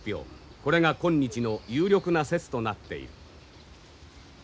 これが今日の有力な説となっている。